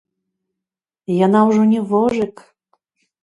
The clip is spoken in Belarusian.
Яна ўжо не вожык.